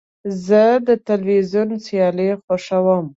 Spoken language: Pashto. زه د تلویزیون سیالۍ خوښوم.